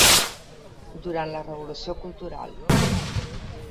Durant la revolució cultural.